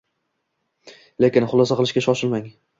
Lekin, xulosa qilishga shoshilmang.